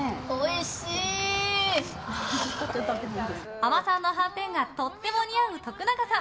海女さんのはんてんがとても似合う徳永さん。